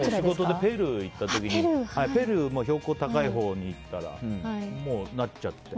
ペルー行った時にペルー標高高いところ行ったらなっちゃって。